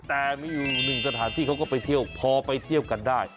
แต่มีอยู่หนึ่งสถานที่เขาก็ไปเที่ยวพอไปเที่ยวกันได้